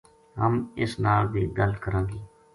ہم اس نال بے گل کراں گی